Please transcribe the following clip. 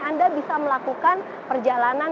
anda bisa melakukan perjalanan